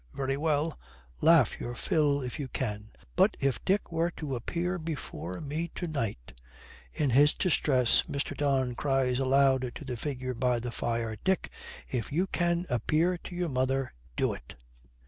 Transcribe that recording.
Very well, laugh your fill if you can. But if Dick were to appear before me to night ' In his distress Mr. Don cries aloud to the figure by the fire, 'Dick, if you can appear to your mother, do it.'